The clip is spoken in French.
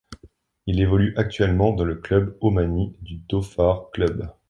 Il évolue actuellement dans le club omani du Dhofar Club.